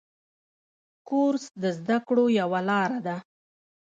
کورس د زده کړو یوه لاره ده.